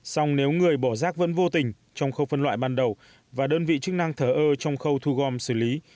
xong nếu người bỏ rác vẫn vô tình trong khâu phân loại ban đầu và đơn vị chức năng thở ơ trong khâu thu gom xử lý